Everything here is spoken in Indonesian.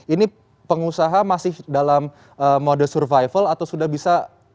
ini pengusaha masih dalam mode survival atau sudah bisa